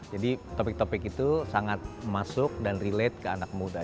jadi topik topik itu sangat masuk dan relate ke anak muda